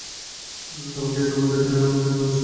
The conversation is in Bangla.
তোমাকে এসবের মধ্যে টেনে আনার জন্য আমি আসলেই দুঃখিত।